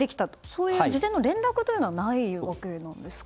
そういう事前の連絡はないということですか？